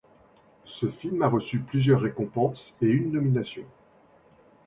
Ce film a reçu plusieurs récompenses et une nomination.